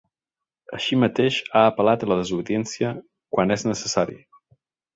Així mateix, ha apel·lat a la desobediència ‘quan és necessari’.